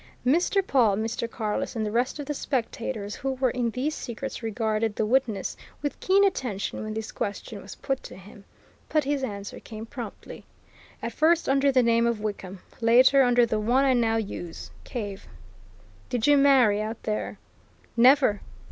Mr. Pawle, Mr. Carless and the rest of the spectators who were in these secrets regarded the witness with keen attention when this question was put to him. But his answer came promptly. "At first, under the name of Wickham. Later under the one I now use Cave." "Did you marry out there?" "Never!"